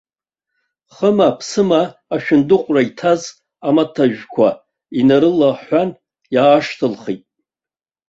Хыма-ԥсыма ашәындыҟәра иҭаз амаҭәажәқәа инарылаҳәан иаашьҭылхт.